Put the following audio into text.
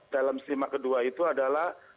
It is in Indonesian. dalam stima kedua itu adalah